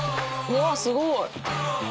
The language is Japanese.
うわすごい！